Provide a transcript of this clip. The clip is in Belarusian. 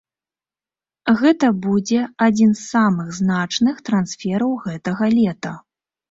Гэта будзе адзін з самых значных трансфераў гэтага лета.